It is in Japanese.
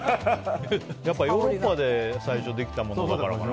ヨーロッパで最初にできたものだからかな。